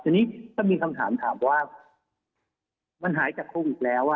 ทีนี้ก็มีคำถามถามว่ามันหายจากโควิดแล้ว